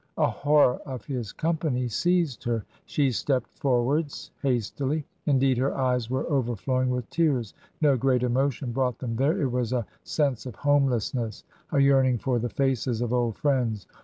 A horror of his company seized her ; she stepped for wards hastily. Indeed, her eyes were overflowing with tears ; no great emotion brought them there ; it was a sense of homelessness, a yearning for the faces of old friends.